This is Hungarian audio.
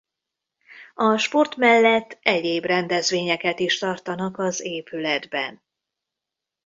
A sport mellett egyéb rendezvényeket is tartanak az épületben.